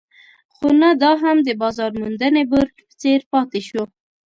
خو نه دا هم د بازار موندنې بورډ په څېر پاتې شو.